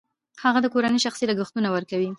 هغه د کورنۍ شخصي لګښتونه ورکوي